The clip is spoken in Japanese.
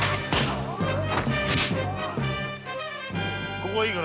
ここはいいから。